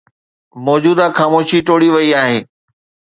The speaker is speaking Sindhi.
موجوده خاموشي ٽوڙي وئي آهي.